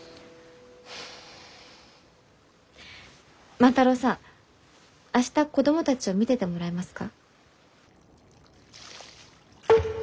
万太郎さん明日子供たちを見ててもらえますか？